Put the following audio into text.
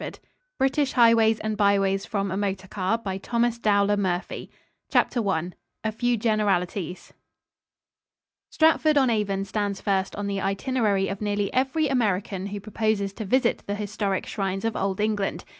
] British Highways and Byways From a Motor Car I A FEW GENERALITIES Stratford on Avon stands first on the itinerary of nearly every American who proposes to visit the historic shrines of Old England.